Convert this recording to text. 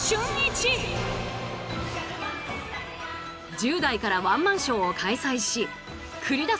１０代からワンマンショーを開催し繰り出す